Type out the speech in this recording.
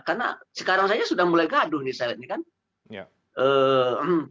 karena sekarang saja sudah mulai gaduh saya lihat ini